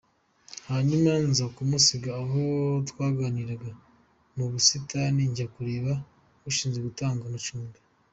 Hanyuma nza kumusiga aho twaganiriraga mu busitani, njya kureba ushinzwe gutanga amacumbi.